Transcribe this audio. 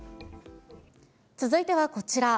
続いてはこちら。